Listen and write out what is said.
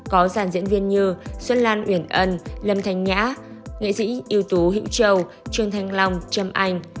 có giản diễn viên như xuân lan uyển ân lâm thành nhã nghệ sĩ yêu tú hữu châu trương thanh long trâm anh